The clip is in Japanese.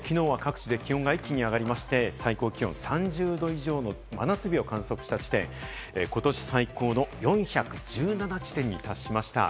一方できのうは各地で気温が一気に上がりまして、最高気温３０度以上の真夏日を観測した地点、ことし最高の４１７地点に達しました。